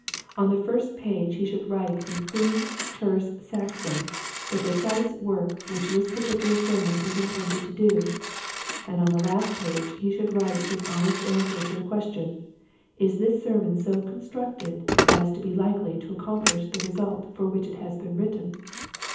On the first page he should write in clean, terse Saxon the precise work which this par ticular sermon is intended to do ; and on the last page he should write his honest answer to the question : Is this sermon so constructed as to be likely to accompHsh the result for which it has been written